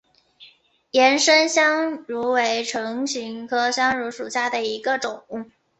岩生香薷为唇形科香薷属下的一个种。